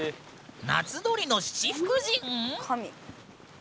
夏鳥の七福神⁉神。